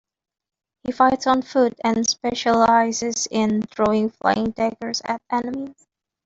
He fights on foot and specialises in throwing flying daggers at enemies.